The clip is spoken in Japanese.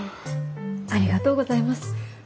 ありがとうございます。